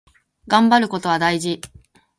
がんばることは大事。